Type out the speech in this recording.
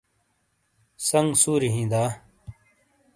سنگ سوری ہِیں دا؟